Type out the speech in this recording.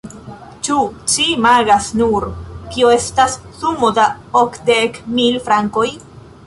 Ĉu ci imagas nur, kio estas sumo da okdek mil frankoj?